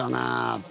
って。